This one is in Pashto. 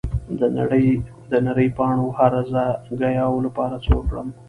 د نرۍ پاڼو هرزه ګیاوو لپاره څه وکړم؟